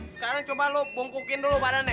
sekarang coba lo bungkukin dulu badannya